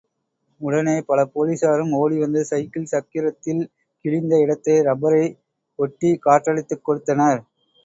உடனே பல போலிஸாரும் ஓடிவந்து சைக்கிள் சக்கிரத்தில் கிழிந்த இடத்தை ரப்பரை ஒட்டிக் காற்றடைத்துக் கொடுத்தனர்.